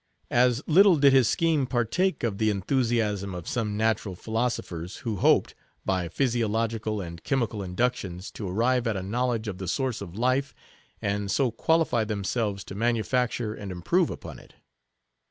As little did his scheme partake of the enthusiasm of some natural philosophers, who hoped, by physiological and chemical inductions, to arrive at a knowledge of the source of life, and so qualify themselves to manufacture and improve upon it.